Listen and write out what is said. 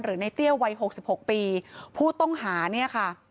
ในเตี้ยวัย๖๖ปีผู้ต้องหาเนี่ยค่ะ